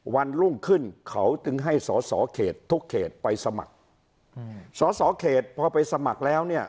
วันรุ่งขึ้นเขาจึงให้สอสอเขตทุกเขตไปสมัครอืมสอสอเขตพอไปสมัครแล้วเนี่ย